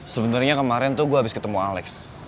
sebenarnya kemarin tuh gue habis ketemu alex